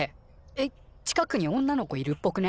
えっ近くに女の子いるっぽくね？